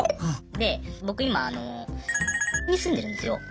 僕今に住んでるんすよ。